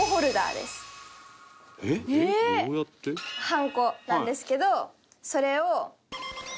ハンコなんですけどそれをこの。